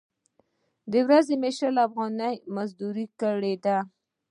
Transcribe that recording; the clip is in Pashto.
د ورځې مې شل افغانۍ مزدورۍ کړې ده.